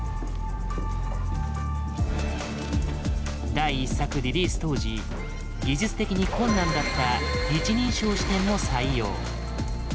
第１作リリース当時技術的に困難だった「一人称視点」の採用。